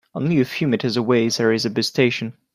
Only a few meters away there is a bus station.